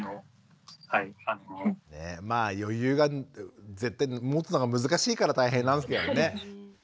まあ余裕が絶対持つのが難しいから大変なんですけどね。